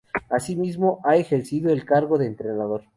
Asimismo ha ejercido el cargo de entrenador.